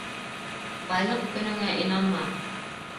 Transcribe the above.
Байлыҡ көнөңә инанма